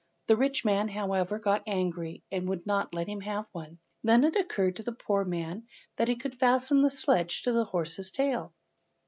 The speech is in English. The rich man, however, got angry, and would not let him have one, and then it occurred to the poor man that he could fasten the sledge to the horse's tail.